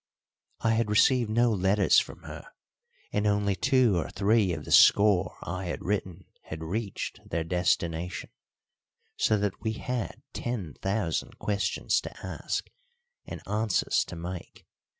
I had received no letters from her, and only two or three of the score I had written had reached their destination, so that we had ten thousand questions to ask and answers to make.